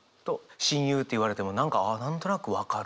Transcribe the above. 「親友」って言われても何かああ何となく分かる。